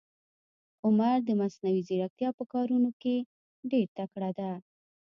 عمر د مصنوي ځیرکتیا په کارونه کې ډېر تکړه ده.